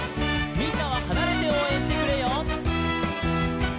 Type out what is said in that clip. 「みんなははなれておうえんしてくれよ」